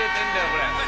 これ。